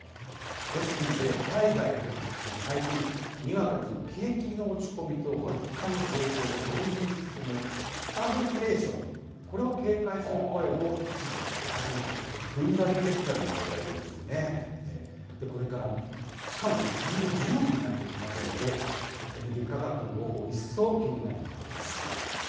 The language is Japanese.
ですので、海外では最近、にわかに景気の落ち込みと、物価の上昇が同時に進むスタグフレーション、これを警戒する声も一部、出始め踏んだり蹴ったりの状態といこれから、しかも冬の需要期になっていきますので、エネルギー価格の動向、一層気になるところです。